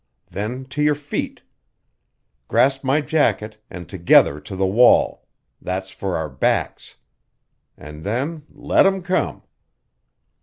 Then to your feet; grasp my jacket, and together to the wall that's for our backs. And then let 'em come!"